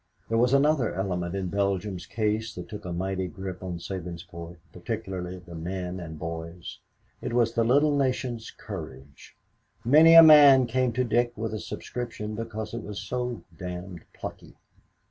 There was another element in Belgium's case that took a mighty grip on Sabinsport, particularly the men and boys. It was the little nation's courage. Many a man came to Dick with a subscription because it was so "damned plucky."